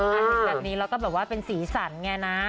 แบบนี้เราก็เป็นสีสันไงนะ